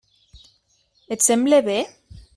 Et sembla bé?